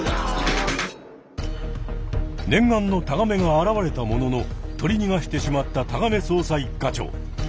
念願のタガメが現れたものの取りにがしてしまったタガメ捜査一課長。